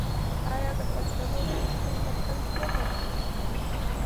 آیا د پښتنو کلتور به تل نه ځلیږي؟